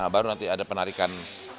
baru nanti ada penarikan